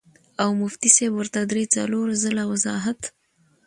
او مفتي صېب ورته درې څلور ځله وضاحت